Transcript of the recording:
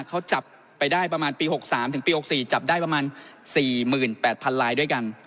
เขาจับไปได้ประมาณปี๖๓ถึงปี๖๔จับได้ประมาณ๔๘๐๐๐ลายด้วยกัน